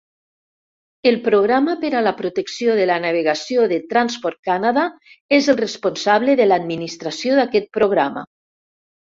El programa per a la protecció de la navegació de Transport Canada és el responsable de l'administració d'aquest programa.